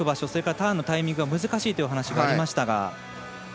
ターンのタイミングが難しいというお話がありましたが。